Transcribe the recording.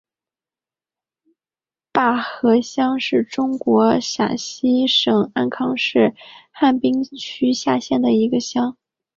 坝河乡是中国陕西省安康市汉滨区下辖的一个乡。